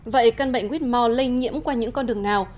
vậy căn bệnh whitmore lây nhiễm qua những con đường nào